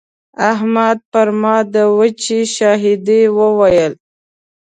احمد پر ما د وچې شاهدي وويله.